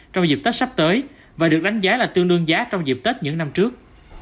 trong dịp tết sắp tới và được đánh giá là tương đương giá trong dịp tết những năm trước